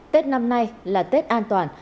tết năm nay là tết an toàn